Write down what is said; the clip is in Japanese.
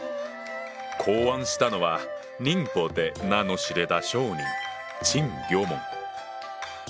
考案したのは寧波で名の知れた商人陳魚門。